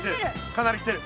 かなり来てる！